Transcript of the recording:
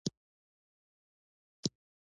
د تربيت فقدان د دوي پۀ لب و لهجه کښې